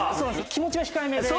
気持ちは控えめで。